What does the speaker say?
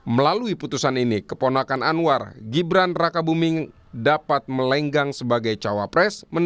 melalui putusan ini keponakan anwar gibran raka buming dapat melenggang sebagai cawapres